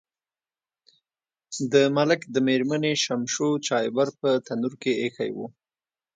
د ملک د میرمنې شمشو چایبر په تنور کې ایښی و.